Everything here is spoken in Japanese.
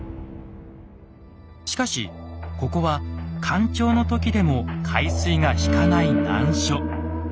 しかしここは干潮の時でも海水が引かない難所。